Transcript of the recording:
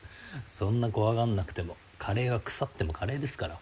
そんな怖がんなくてもカレーは腐ってもカレーですから。